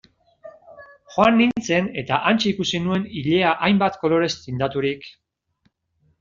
Joan nintzen eta hantxe ikusi nuen ilea hainbat kolorez tindaturik...